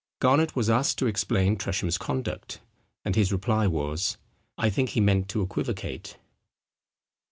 Garnet was asked to explain Tresham's conduct; and his reply was, "I think he meant to equivocate."